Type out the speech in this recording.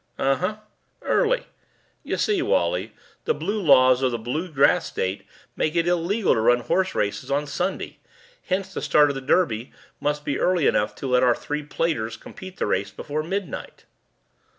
"Uh huh. Early. Y'see, Wally, the blue laws of the blue grass state make it illegal to run horseraces on Sunday, hence the start of the Derby must be early enough to let our three platers complete the race before midnight."